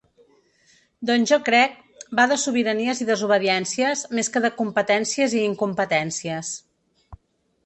Doncs jo crec va de sobiranies i desobediències, més que de competències i incompetències.